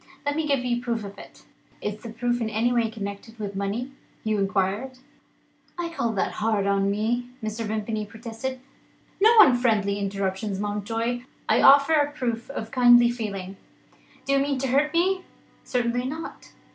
Let me give you a proof of it." "Is the proof in any way connected with money?" Hugh inquired. "I call that hard on me," Mr. Vimpany protested. "No unfriendly interruptions, Mountjoy! I offer a proof of kindly feeling. Do you mean to hurt me?" "Certainly not.